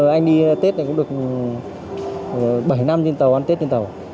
anh đi tết cũng được bảy năm trên tàu ăn tết trên tàu